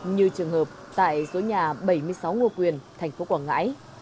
như trường hợp tại số nhà bảy mươi sáu nguồn quyền tp quảng ngãi